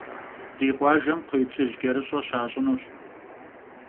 Ди къуажэм кхъуейплъыжькӏэрыщӏэ щащӏынущ.